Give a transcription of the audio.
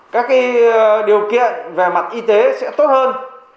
các điều kiện về mặt y tế sẽ tốt hơn